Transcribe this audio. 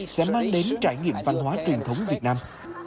sẽ mang đến trải nghiệm văn hóa truyền thống việt nam